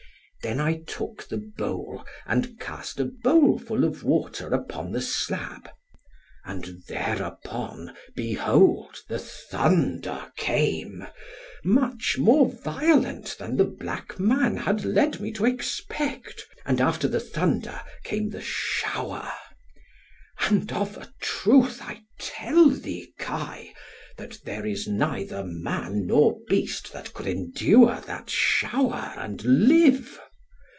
Then I took the bowl, and cast a bowlful of water upon the slab; and thereupon behold the thunder came, much more violent than the black man had led me to expect; and after the thunder came the shower; and of a truth I tell thee, Kai, that there is neither man nor beast that could endure that shower and live.